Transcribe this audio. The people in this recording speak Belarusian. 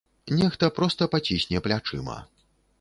Нехта проста пацісне плячыма.